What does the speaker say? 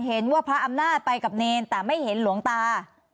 เห็นว่าพระอำนาจไปกับเนรแต่ไม่เห็นหลวงตา